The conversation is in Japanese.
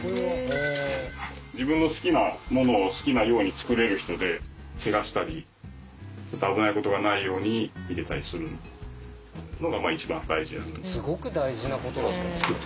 自分の好きなものを好きなように作れる人でけがしたり危ないことがないように見てたりするのが一番大事。